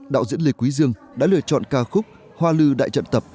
đạo diễn lê quý dương đã lựa chọn ca khúc hoa lưu đại trận tập